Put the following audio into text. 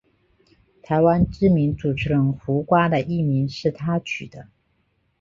台湾知名主持人胡瓜的艺名是他取的。